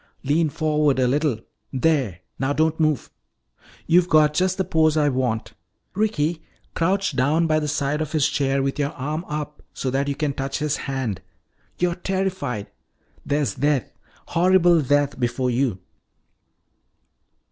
Lean forward a little. There! Now don't move; you've got just the pose I want. Ricky, crouch down by the side of his chair with your arm up so that you can touch his hand. You're terrified. There's death, horrible death, before you!"